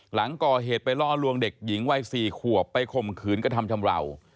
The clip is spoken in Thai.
หลังก่อเหตุไปล่อลวงเด็กหญิงวัย๔ขวบไปข่มขืนกระทำชำราว